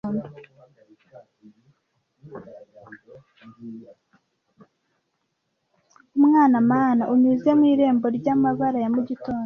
Umwana-mana, unyuze mu irembo ryamabara ya mugitondo